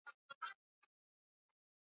mwanachama wa Allies na hivi karibuni baadaye